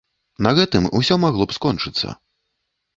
На гэтым усё магло б скончыцца.